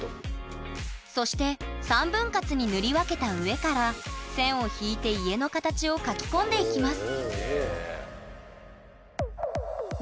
そして３分割に塗り分けた上から線を引いて家の形を描き込んでいきます